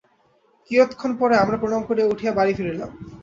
কিয়ৎক্ষণ পরে আমরা প্রণাম করিয়া উঠিয়া বাটী ফিরিলাম।